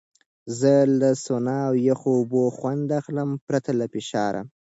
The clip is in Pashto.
زه له سونا او یخو اوبو خوند اخلم، پرته له فشار.